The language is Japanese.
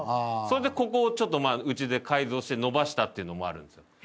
それでここをちょっとまあうちで改造して延ばしたっていうのもあるんですよ。